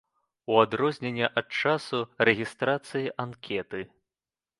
У адрозненне ад часу рэгістрацыі анкеты.